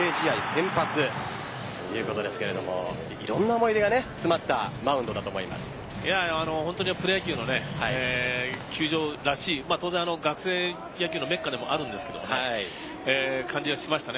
先発ということですがいろんな思い出が詰まった本当にプロ野球の球場らしい当然、学生野球のメッカでもあるんですがそういう感じがしました。